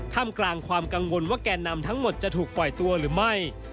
มกลางความกังวลว่าแก่นำทั้งหมดจะถูกปล่อยตัวหรือไม่